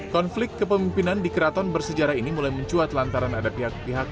konflik kepemimpinan di keraton bersejarah ini mulai mencuat lantaran ada pihak pihak